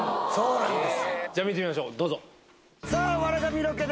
じゃあ見てみましょう。